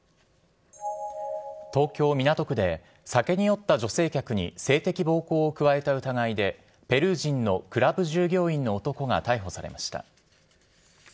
東京・港区で、酒に酔った女性客に性的暴行を加えた疑いで、ペルー人のクラブ従業員の男が逮捕されました。